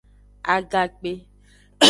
Agakpe.